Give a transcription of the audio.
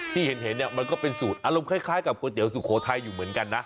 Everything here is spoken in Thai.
ที่เห็นเนี่ยมันก็เป็นสูตรอารมณ์คล้ายกับก๋วยเตี๋สุโขทัยอยู่เหมือนกันนะ